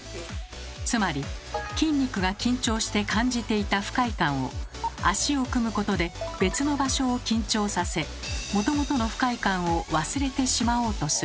つまり筋肉が緊張して感じていた不快感を足を組むことで別の場所を緊張させもともとの不快感を忘れてしまおうとする。